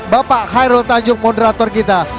bapak khairul tanjung moderator kita